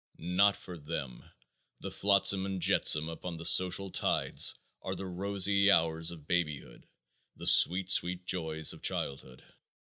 Not for them the flotsam and jetsam upon the social tides are the rosy hours of babyhood, the sweet, sweet joys of childhood.